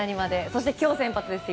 そして今日先発です。